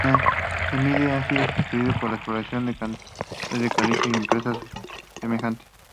En Mine, han sido sustituidas por explotaciones de canteras de caliza y empresas cementeras.